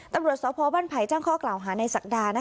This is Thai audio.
ตำรวจสพบ้านไผ่แจ้งข้อกล่าวหาในศักดา